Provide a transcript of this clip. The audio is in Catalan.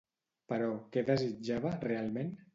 Però què desitjava, realment?